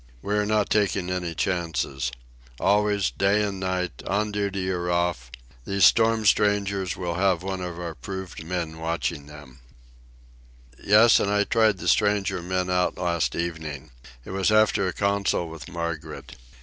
We are not taking any chances. Always, night and day, on duty or off, these storm strangers will have one of our proved men watching them. Yes; and I tried the stranger men out last evening. It was after a council with Margaret.